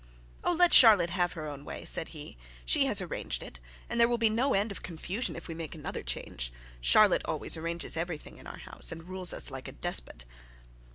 'Oh, let Charlotte have her own way,' said he. 'She has arranged it, and there will be no end of confusion if we make another change. Charlotte always arranges everything in our house; and rules us like a despot.'